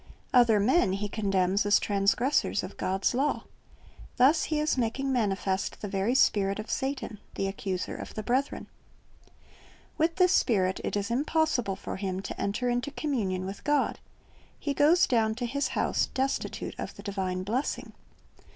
"Other men" he condemns as trans gressors of God's law. Thus he is making manifest the very spirit of Satan, the accuser of the brethren. With this spirit it is impossible for him to enter into communion with God. He goes down to his house destitute of the divine blessing.